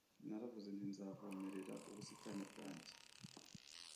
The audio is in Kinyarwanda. naravuze nti nzavomerera ubusitani bwanjye